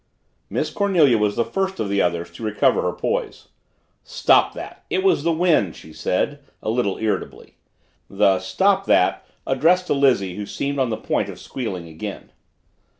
Miss Cornelia was the first of the others to recover her poise. "Stop that! It was the wind!" she said, a little irritably the "Stop that!" addressed to Lizzie who seemed on the point of squealing again.